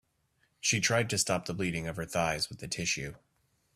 She tried to stop the bleeding of her thighs with a tissue.